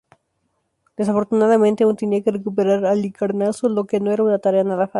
Desafortunadamente, aún tenía que recuperar Halicarnaso, lo que no era una tarea nada fácil.